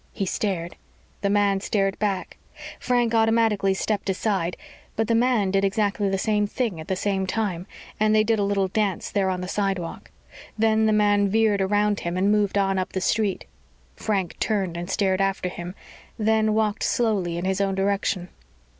He stared. The man stared back. Frank automatically stepped aside, but the man did exactly the same thing, at the same time, and they did a little dance there on the sidewalk. Then the man veered around him and moved on up the street. Frank turned and stared after him, then walked slowly in his own direction.